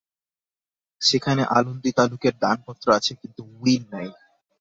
সেখানে আলন্দি তালুকের দানপত্র আছে কিন্তু উইল নাই।